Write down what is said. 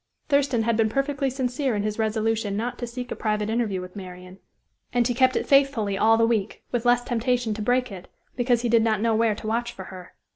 Thurston had been perfectly sincere in his resolution not to seek a private interview with Marian; and he kept it faithfully all the week, with less temptation to break it, because he did not know where to watch for her.